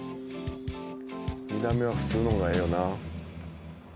２打目は普通のがええよな。